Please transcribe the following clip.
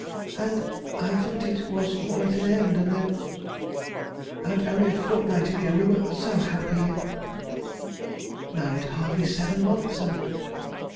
]... and I thought it was all at an end, and then ... and only a fortnight ago we were so happy ... married hardly seven months and